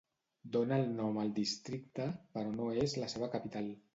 Dona el nom al districte però no és la seva capital.